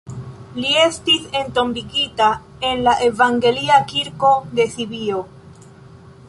Li estis entombigita en la evangelia kirko de Sibio.